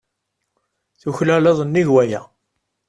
Tuklaleḍ nnig n waya.